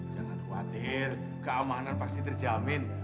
jangan khawatir keamanan pasti terjamin